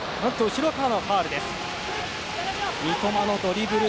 後ろからのファウル。